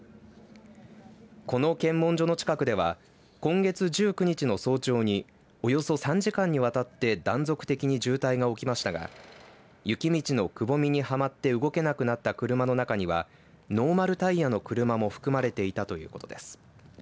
この検問所の近くでは今月１９日の早朝におよそ３時間にわたって断続的に渋滞が起きましたが雪道のくぼみにはまって動けなくなった車の中にはノーマルタイヤの車も含まれていたということです。